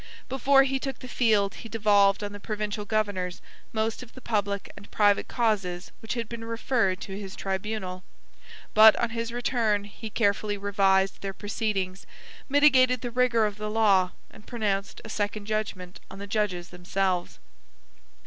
Before he took the field, he devolved on the provincial governors most of the public and private causes which had been referred to his tribunal; but, on his return, he carefully revised their proceedings, mitigated the rigor of the law, and pronounced a second judgment on the judges themselves.